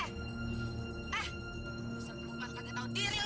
ah musuh puman kagak tahu diri lo